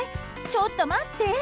ちょっと待って！